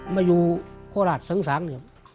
มาอยู่โรงระจิสวงศาล